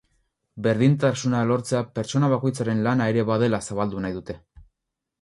Berdintasuna lortzea pertsona bakoitzaren lana ere badela zabaldu nahi dute.